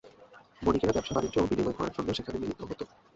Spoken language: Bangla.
বণিকেরা ব্যবসা-বাণিজ্য ও বিনিময় করার জন্য সেখানে মিলিত হতো।